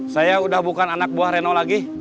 saya udah bukan anak buah reno lagi